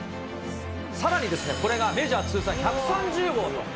さらにこれがメジャー通算１３０号と。